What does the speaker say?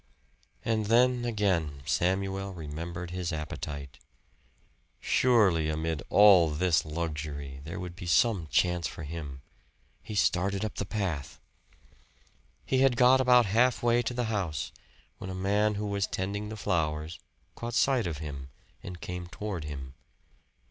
And then again Samuel remembered his appetite. Surely amid all this luxury there would be some chance for him! He started up the path! He had got about halfway to the house when a man who was tending the flowers caught sight of him and came toward him.